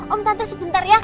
om tante sebentar ya